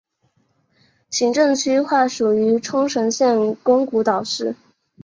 行政区划属于冲绳县宫古岛市。